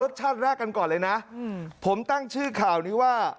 ชาติแรกกันก่อนเลยนะผมตั้งชื่อข่าวนี้ว่า